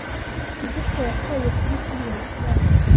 Nigute watoye kuri kiriya kibazo?